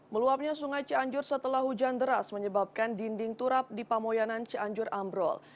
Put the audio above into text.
meluapnya sungai cianjur setelah hujan deras menyebabkan dinding turap di pamoyanan cianjur ambrol